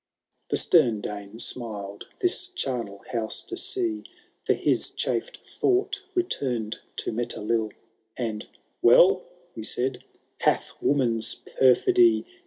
The stem Dane smiled this charnel house to see^— For lus chafed thought returned to Metelill v— And ^ Well, he said, '* hath woman^ perfidy.